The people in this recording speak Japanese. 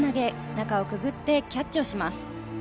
中をくぐってキャッチします。